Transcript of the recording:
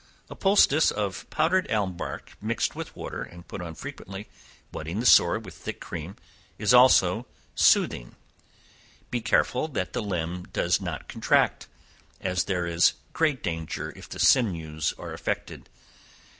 A poultice of powdered elm bark mixed with water, and put on frequently, wetting the sore with thick cream, is also soothing; be careful that the limb does not contract, as there is great danger if the sinews are affected.